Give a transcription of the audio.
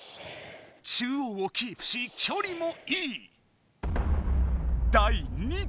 中央をキープし距離もいい！